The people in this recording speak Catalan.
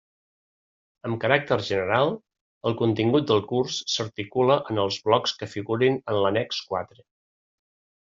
Amb caràcter general el contingut del curs s'articula en els blocs que figuren en l'annex quatre.